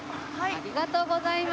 ありがとうございます。